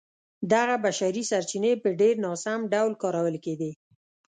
دغه بشري سرچینې په ډېر ناسم ډول کارول کېدې.